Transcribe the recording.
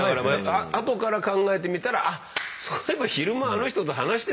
あとから考えてみたら「あっそういえば昼間あの人と話してたわ。